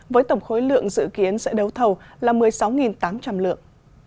với tổng khối lượng dự kiến sẽ đấu thầu là một mươi sáu tám trăm linh lượng